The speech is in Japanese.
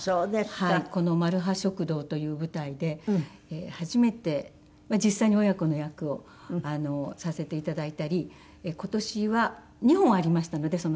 この『まるは食堂』という舞台で初めて実際に親子の役をさせて頂いたり今年は２本ありましたのでその作品が。